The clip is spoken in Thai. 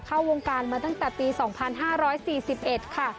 เข้าวงการมาตั้งแต่ปี๒๕๔๑ค่ะ